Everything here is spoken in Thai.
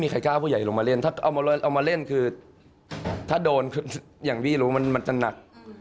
ไม่ใช่ไข้กล้าเอาผู้ใหญ่ลงมาเล่นถ้าเอามาเล่นคือถ้าโดนอย่างนี้หรือว่ามันจะหนัก